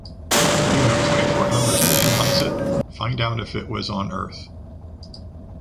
You have twenty-four hours to analyze it, find out if it was on earth.